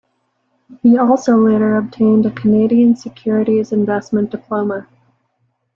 He also later obtained a Canadian Securities Investment Diploma.